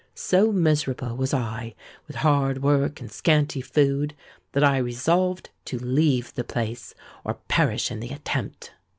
So miserable was I, with hard work and scanty food, that I resolved to leave the place, or perish in the attempt.